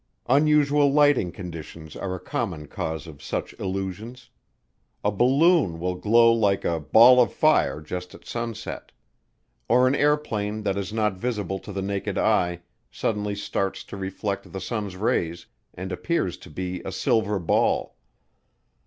Unusual lighting conditions are a common cause of such illusions. A balloon will glow like a "ball of fire" just at sunset. Or an airplane that is not visible to the naked eye suddenly starts to reflect the sun's rays and appears to be a "silver ball."